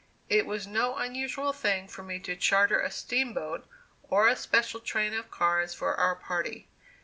It was no unusual thing for me to charter a steamboat or a special train of cars for our party.